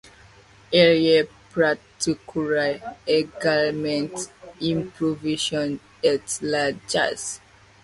Il y pratiquera également l’improvisation et le jazz.